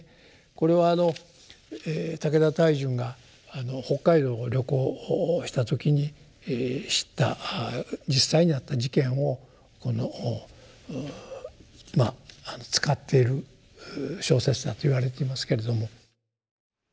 これは武田泰淳が北海道を旅行した時に知った実際にあった事件をこのまあ使っている小説だといわれていますけれども。